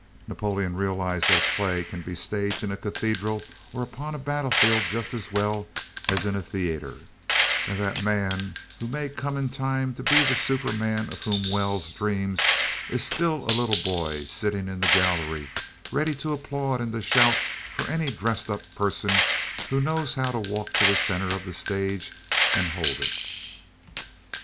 Napoleon realized that a play can be staged in a cathedral or upon a battlefield just as well as in a theater, and that man, who may come in time to be the superman of whom Wells dreams is still a little boy sitting in the gallery, ready to applaud and to shout for any dressed up person who knows how to walk to the center of the stage and hold it.